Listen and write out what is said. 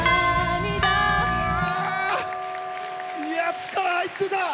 力、入ってた。